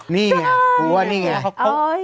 นี่ไง